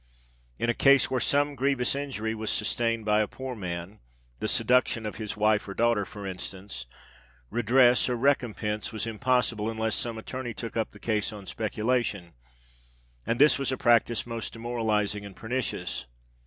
In a case where some grievous injury was sustained by a poor man—the seduction of his wife or daughter, for instance—redress or recompense was impossible, unless some attorney took up the case on speculation; and this was a practice most demoralising and pernicious.